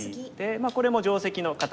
まあこれも定石の形。